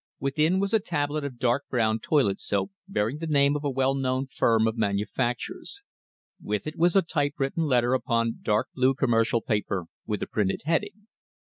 Within was a tablet of dark brown toilet soap bearing the name of a well known firm of manufacturers. With it was a typewritten letter upon dark blue commercial paper with a printed heading.